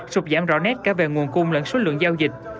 sụp giảm rõ nét cả về nguồn cung lẫn số lượng giao dịch